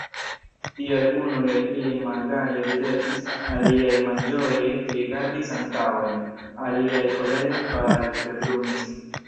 Tial unuj el ili malgaje ridetis, aliaj malĝoje rigardis antaŭen, aliaj kolere palpebrumis.